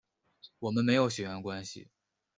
我们没有血缘关系